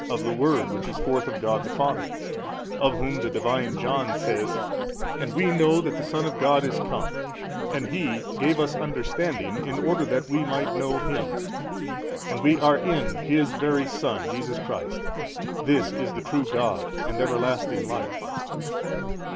of the Word which is forth of God the Father, of Whom the Divine John says, And we know that the Son of God is come and He gave us understanding in order that we might know Him and we are in His Very Son 76 Jesus Christ: this is the true God and Everlasting Life?